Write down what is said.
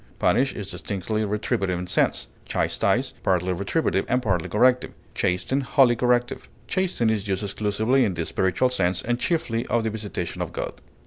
Punish is distinctly retributive in sense; chastise, partly retributive, and partly corrective; chasten, wholly corrective. Chasten is used exclusively in the spiritual sense, and chiefly of the visitation of God.